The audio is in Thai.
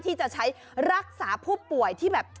ที่จะใช้รักษาผู้ป่วยที่แบบ